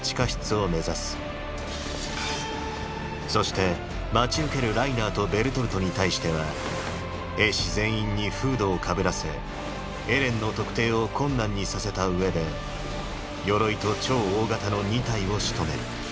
そして待ち受けるライナーとベルトルトに対しては兵士全員にフードをかぶらせエレンの特定を困難にさせたうえで鎧と超大型の二体を仕留める。